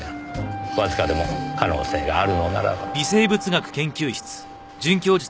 わずかでも可能性があるのならば。